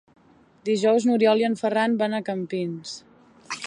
Dijous n'Oriol i en Ferran van a Campins.